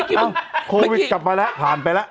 โควิดกลับมาแล้วผ่านไปละ